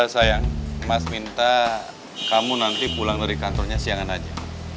sayang mas minta kamu nanti pulang dari kantornya siangan aja